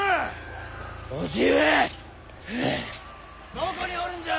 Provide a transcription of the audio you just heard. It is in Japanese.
どこにおるんじゃ！